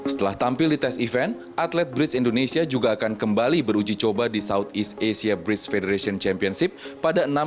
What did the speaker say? setelah tampil di tes event atlet bridge indonesia juga akan kembali beruji coba di southeast asia bridge federation championship pada enam hingga dua belas desember dua ribu tujuh belas mendatang